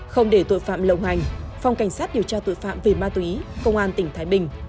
không để tội phạm lộng hành phòng cảnh sát điều tra tội phạm về ma túy công an tỉnh thái bình